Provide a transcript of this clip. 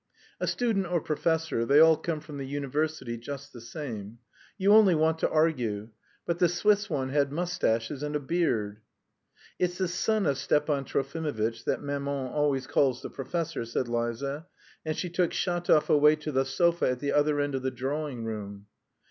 "A student or professor, they all come from the university just the same. You only want to argue. But the Swiss one had moustaches and a beard." "It's the son of Stepan Trofimovitch that maman always calls the professor," said Liza, and she took Shatov away to the sofa at the other end of the drawing room.